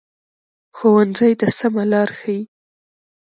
ښوونځی د سمه لار ښيي